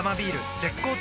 絶好調